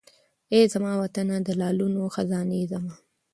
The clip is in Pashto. اې زما وطنه د لالونو خزانې زما